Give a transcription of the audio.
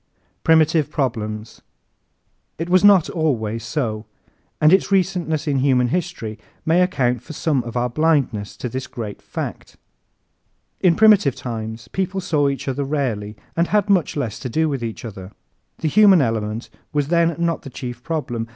Primitive Problems ¶ It was not always so. And its recentness in human history may account for some of our blindness to this great fact. In primitive times people saw each other rarely and had much less to do with each other. The human element was then not the chief problem.